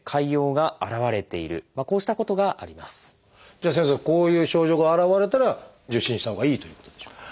じゃあ先生こういう症状が現れたら受診したほうがいいということでしょうか？